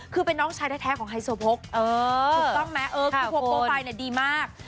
คือเป็นน้องชายแท้ของไฮโซโพกถูกต้องไหมเออคือโพโกไปเนี่ยดีมาก